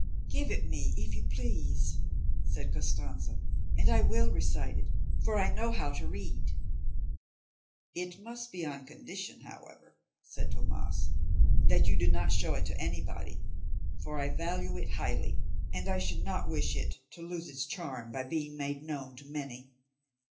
"Give it me, if you please," said Costanza, "and I will recite it; for I know how to read." "It must be on condition, however," said Tomas, "that you do not show it to anybody; for I value it highly, and I should not wish it to lose its charm by being made known to many."